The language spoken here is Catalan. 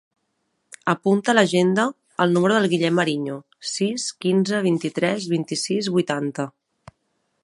Apunta a l'agenda el número del Guillem Ariño: sis, quinze, vint-i-tres, vint-i-sis, vuitanta.